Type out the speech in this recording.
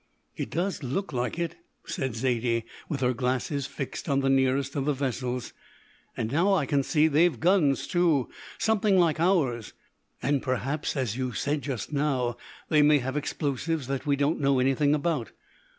"It does look like it," said Zaidie, with her glasses fixed on the nearest of the vessels; "and now I can see they've guns too, something like ours, and perhaps, as you said just now, they may have explosives that we don't know anything about.